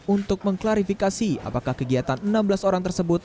untuk mengklarifikasi apakah kegiatan enam belas orang tersebut